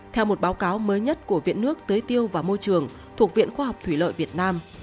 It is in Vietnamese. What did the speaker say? theo một báo cáo mới nhất của viện nước tưới tiêu và môi trường thuộc viện khoa học thủy lợi việt nam